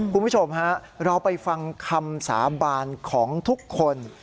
คุณผู้ชมฮะเราไปฟังคำสาบานของทุกคน